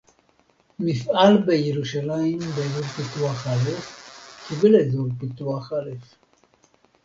מפעל בירושלים באזור פיתוח א' קיבל אזור פיתוח א'